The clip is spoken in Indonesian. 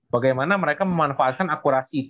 bagaimana mereka memanfaatkan akurasi